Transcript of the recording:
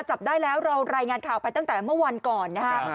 จับได้แล้วเรารายงานข่าวไปตั้งแต่เมื่อวันก่อนนะครับ